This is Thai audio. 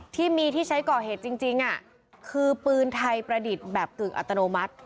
ที่มีที่ใช้ก่อเหตุจริงคือปืนไทยประดิษฐ์แบบกึ่งอัตโนมัติ